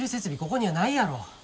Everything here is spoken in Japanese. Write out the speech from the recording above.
ここにはないやろ。